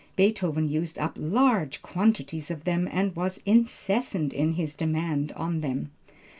Beethoven used up large quantities of them and was incessant in his demands on him.